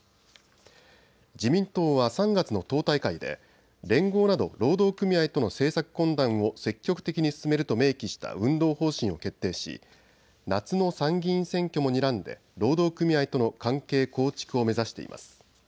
自民党は３月の党大会で連合など労働組合との政策懇談を積極的に進めると明記した運動方針を決定し夏の参議院選挙もにらんで労働組合との関係構築を目指しています。